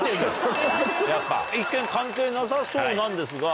一見関係なさそうなんですが。